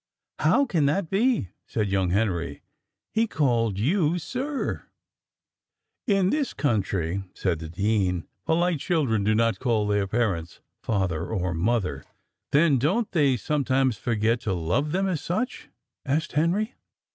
"How can that be?" said young Henry. "He called you Sir." "In this country," said the dean, "polite children do not call their parents father and mother." "Then don't they sometimes forget to love them as such?" asked Henry.